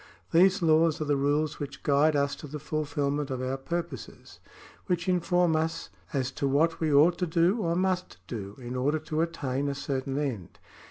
These laws are the rules which guide us to the fulfilment of our purposes ; which inform us as to what we ought to do, or must do, in order to attain a certain end.